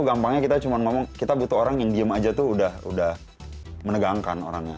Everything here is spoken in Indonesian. gampangnya kita cuma ngomong kita butuh orang yang diem aja tuh udah menegangkan orangnya